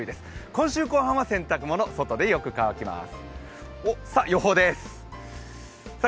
今週後半は洗濯物、外でよく乾きます。